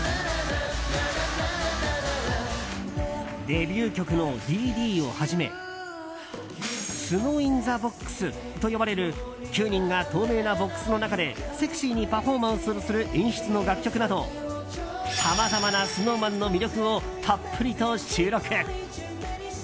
デビュー曲の「Ｄ．Ｄ．」をはじめスノインザボックスと呼ばれる９人が、透明なボックスの中でセクシーにパフォーマンスをする演出の楽曲などさまざまなＳｎｏｗＭａｎの魅力をたっぷりと収録。